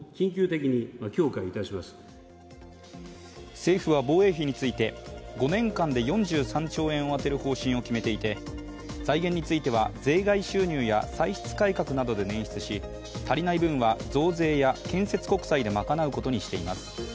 政府は防衛費について５年間で４３兆円を充てる方針を決めていて財源については税外収入や歳出改革などで捻出し足りない分は増税や建設国債で賄うことにしています。